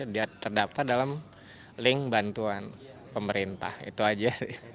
dia terdaftar dalam link bantuan pemerintah itu aja